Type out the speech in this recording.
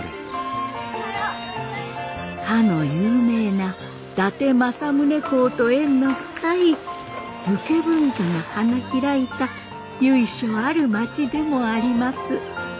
かの有名な伊達政宗公と縁の深い武家文化が花開いた由緒ある町でもあります。